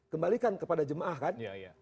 kembalikan kepada jemaah kan